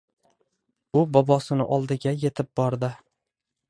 U bobosini oldiga yetib bordi.